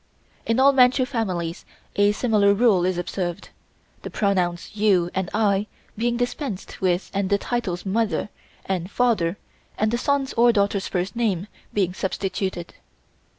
In all Manchu families a similar rule is observed, the pronouns "You" and "I" being dispensed with and the titles "Mother" and "Father" and the son's or daughter's first name being substituted.